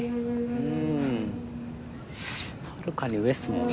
うんはるかに上っすもんね。